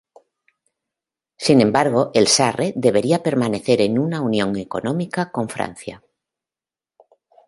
Sin embargo, el Sarre debería permanecer en una unión económica con Francia.